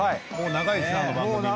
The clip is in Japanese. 長いですねあの番組も。